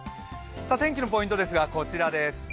天気のポイントですが、こちらです